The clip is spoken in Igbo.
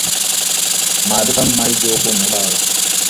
ma dịkwa mma ijèụkwụ na ụgbọala.